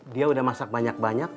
dia udah masak banyak banyak